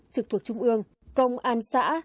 trực thuộc trung ương công an xã